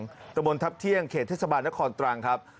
ตะบนทัพเที่ยงเขตเทศบาลนครตรังครับ